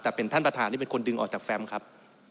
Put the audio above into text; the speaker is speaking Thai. แต่เป็นท่านประธานนี่เป็นคนดึงออกจากแฟมครับ